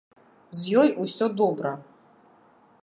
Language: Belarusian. З ёй усё добра.